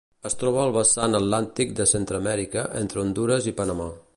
Es troba al vessant atlàntic de Centreamèrica entre Hondures i Panamà.